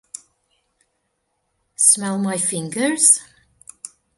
Smell my fingers?